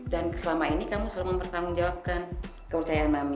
dan selama ini kamu selalu mempertanggung jawabkan kepercayaan kamu